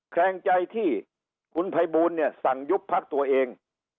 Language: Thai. แคลงใจที่คุณภัยบูลเนี่ยสั่งยุบพักตัวเอง